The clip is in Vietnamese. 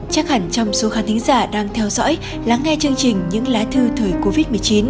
chắc hẳn trong số khán tính giả đang theo dõi lắng nghe chương trình những lá thư thời covid một mươi chín